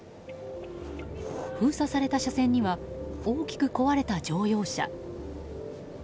封鎖された車線には大きく壊れた乗用車。